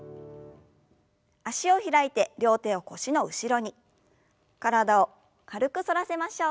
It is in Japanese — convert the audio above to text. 脚を開いて両手を腰の後ろに体を軽く反らせましょう。